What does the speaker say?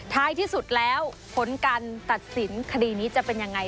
ท้ายที่สุดแล้วผลการตัดสินคดีนี้จะเป็นยังไง